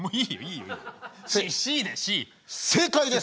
正解です！